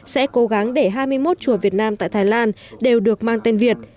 sẽ cố gắng để hai mươi một chùa việt nam tại thái lan đều được mang tên việt